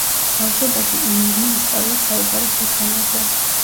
ბავშვობაში იანგმა ისწავლა საუბარი ხუთ ენაზე.